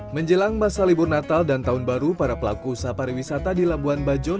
menjelang masa libur natal dan tahun baru para pelaku usaha pariwisata di labuan bajo